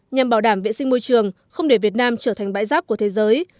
nhằm bảo đảm vệ sinh môi trường không để việt nam trở thành bãi rác của thế giới